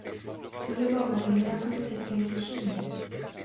Studoval na Gymnáziu v Českém Těšíně.